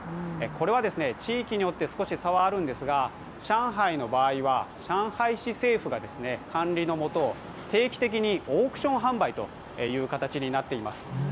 これは地域によって少し差はあるんですが、上海の場合は上海市政府が管理のもと定期的にオークション販売という形になっています。